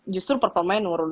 justru performanya nurun